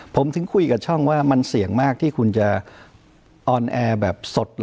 ผมถึงคุยกับช่องว่ามันเสี่ยงมากที่คุณจะออนแอร์แบบสด